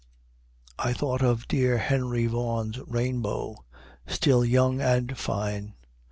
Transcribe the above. I thought of dear Henry Vaughan's rainbow, "Still young and fine!"